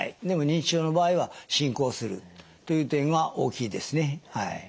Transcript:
でも認知症の場合は進行するという点は大きいですね。